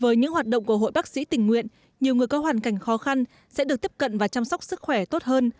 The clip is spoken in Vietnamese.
với những hoạt động của hội bác sĩ tình nguyện nhiều người có hoàn cảnh khó khăn sẽ được tiếp cận và chăm sóc sức khỏe tốt hơn